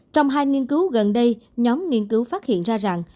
trong hai nghiên cứu gần đây nhóm nghiên cứu phát hiện ra rằng